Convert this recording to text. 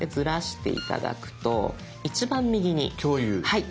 はい。